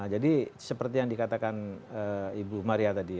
jadi seperti yang dikatakan ibu maria tadi